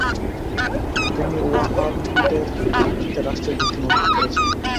তিনি ওয়াহাবিবাদের ভিত্তিতে রাষ্ট্রের ভিত্তি মজবুত করেছেন।